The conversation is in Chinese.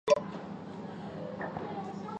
有一部分规则甚至不承认自摸达成的平和。